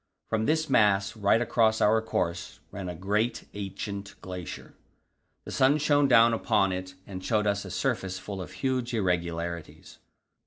From this mass, right across our course, ran a great, ancient glacier; the sun shone down upon it and showed us a surface full of huge irregularities.